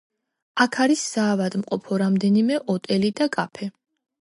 აქ არის საავადმყოფო, რამდენიმე ოტელი და კაფე.